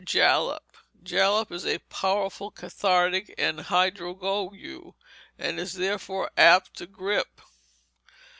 Jalap Jalap is a powerful cathartic and hydrogogue, and is therefore apt to gripe.